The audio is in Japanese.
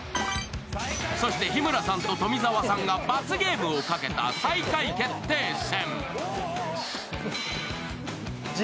そして、日村さんと富澤さんが罰ゲームをかけた最下位決定戦。